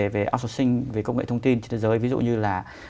về austocing về công nghệ thông tin trên thế giới ví dụ như là